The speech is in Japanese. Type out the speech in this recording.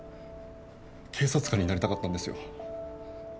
警察官になりたかったんですよ。